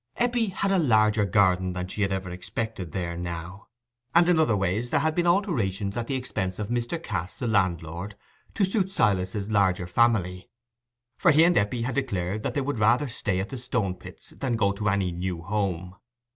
Eppie had a larger garden than she had ever expected there now; and in other ways there had been alterations at the expense of Mr. Cass, the landlord, to suit Silas's larger family. For he and Eppie had declared that they would rather stay at the Stone pits than go to any new home.